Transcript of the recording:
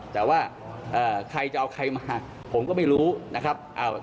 แต่ว่าใครจะเอาใครมาผมก็ไม่รู้นะครับ